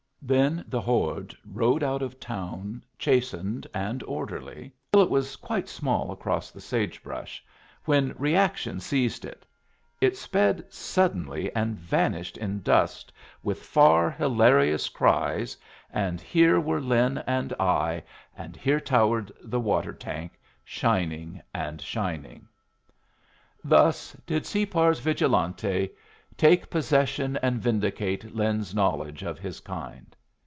Then the horde rode out of town, chastened and orderly till it was quite small across the sagebrush, when reaction seized it. It sped suddenly and vanished in dust with far, hilarious cries and here were Lin and I, and here towered the water tank, shining and shining. Thus did Separ's vigilante take possession and vindicate Lin's knowledge of his kind.